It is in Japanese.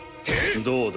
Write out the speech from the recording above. どうだ？